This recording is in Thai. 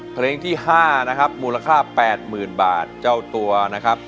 เพลงที่๕นะครับมูลค่า๘๐๐๐บาทเจ้าตัวนะครับ